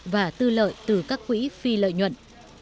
và tư lợi từ các quỹ phi lợi nhuận